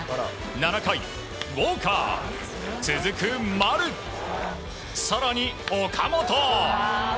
７回ウォーカー、続く丸更に岡本。